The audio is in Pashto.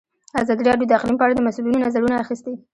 ازادي راډیو د اقلیم په اړه د مسؤلینو نظرونه اخیستي.